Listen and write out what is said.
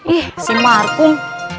ih si markum